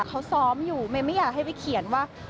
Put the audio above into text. เขาซ้อมอยู่เมย์ไม่อยากให้ไปเขียนว่า